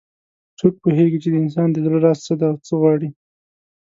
څوک پوهیږي چې د انسان د زړه راز څه ده او څه غواړي